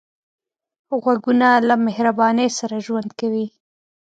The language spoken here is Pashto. غوږونه له مهرباني سره ژوند کوي